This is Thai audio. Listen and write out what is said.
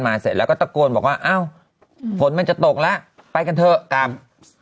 เสร็จแล้วก็ตะโกนบอกว่าอ้าวฝนมันจะตกแล้วไปกันเถอะครับ